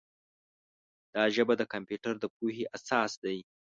دا ژبه د کمپیوټر د پوهې اساس دی.